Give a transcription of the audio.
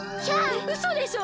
えっうそでしょ？